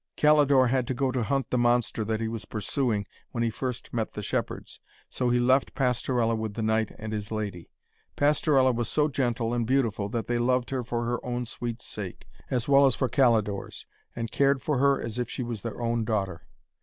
Calidore had to go to hunt the monster that he was pursuing when he first met the shepherds, so he left Pastorella with the knight and his lady. Pastorella was so gentle and beautiful that they loved her for her own sweet sake, as well as for Calidore's, and cared for her as if she was their own daughter.